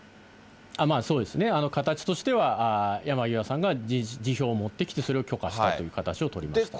そうですよね、形としては山際さんが辞表を持ってきて、それを許可したという形を取りました。